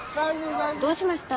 どうしました？